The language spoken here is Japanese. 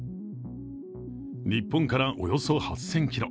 日本からおよそ８０００ｋｍ